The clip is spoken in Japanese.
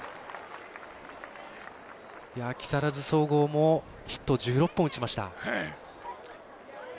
木更津総合もヒット１６本を打ちました。